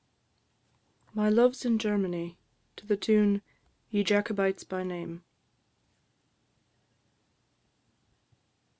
MY LUVE'S IN GERMANY. TUNE _"Ye Jacobites by name."